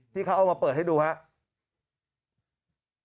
ที่เขาเอามาเปิดให้ดูครับ